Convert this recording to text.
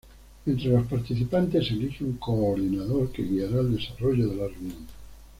Entre los participantes se elige un coordinador, que guiará el desarrollo de la reunión.